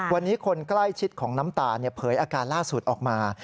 วันนี้คนใกล้ชิดของน้ำตาลเผยอาการล่าสุดออกมา